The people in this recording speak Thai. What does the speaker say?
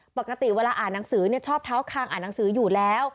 ปกติเวลาอ่านหนังสือชอบเท้าคางอ่านหนังสืออยู่แล้ว